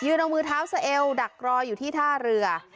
เอามือเท้าสะเอลดักรออยู่ที่ท่าเรือ